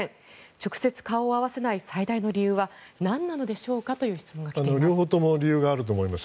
直接顔を合わせない最大の理由は何なのでしょうかという質問が来ています。